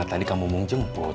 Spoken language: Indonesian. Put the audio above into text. tadi kamu mau jemput